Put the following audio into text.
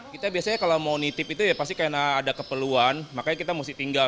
kita biasanya kalau mau nitip itu ya pasti karena ada keperluan makanya kita mesti tinggal